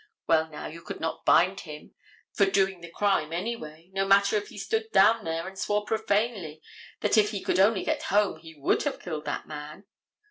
Well, now, you could not bind him for doing the crime anyway, no matter if he stood down there and swore profanely that if he could only get home he would have killed that man.